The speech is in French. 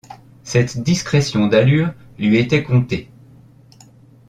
Cette discrétion d’allures lui était comptée.